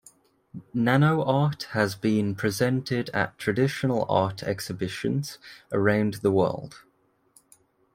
NanoArt has been presented at traditional art exhibitions around the world.